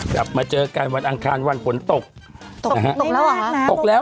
กลับมาเจอกันวันอังคารวันฝนตกตกแล้วเหรอฮะตกแล้ว